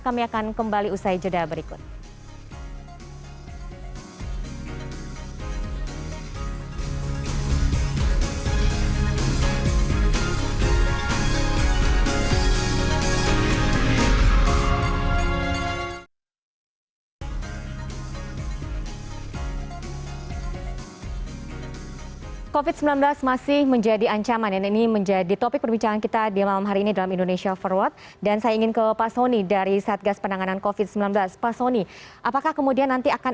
kami akan kembali usai juda berikut